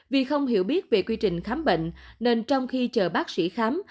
vì không hiểu biết về quy trình khám bệnh nên trong khi chờ bác sĩ khám